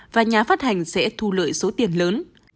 và nhà phát hành sẽ thu lợi số tiền lớn